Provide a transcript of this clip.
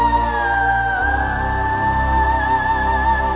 beliau mungkin harus mengambil back billionsweb spin